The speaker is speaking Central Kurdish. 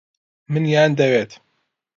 منیان دەوێت.